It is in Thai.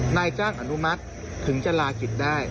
นายจ้างอนุมัติถึงจะลากิจได้